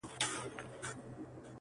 لا تر اوسه پر کږو لارو روان یې,